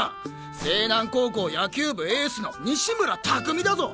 勢南高校野球部エースの西村拓味だぞ！